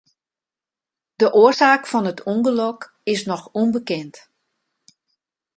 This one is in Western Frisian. De oarsaak fan it ûngelok is noch ûnbekend.